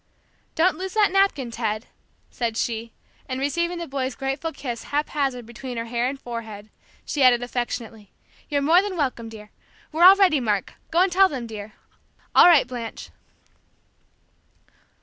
"Don't lose that napkin, Ted," said she, and receiving the boy's grateful kiss haphazard between her hair and forehead, she added affectionately: "You're more than welcome, dear! We're all ready, Mark, go and tell them, dear! All right, Blanche."